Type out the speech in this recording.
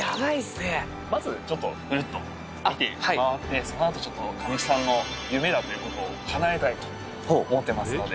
まず、ちょっとぐるっと、見て回って、そのあとちょっと、神木さんの夢だということをかなえたいと思ってますので。